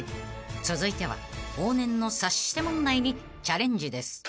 ［続いては往年の察して問題にチャレンジです］